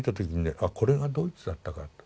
あこれがドイツだったかと。